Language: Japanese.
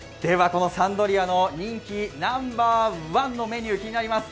このサンドリアの人気ナンバーワンのメニュー、気になります。